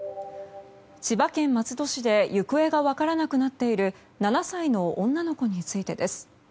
千葉県松戸市で行方が分からなくなっている７歳の女の子についてです。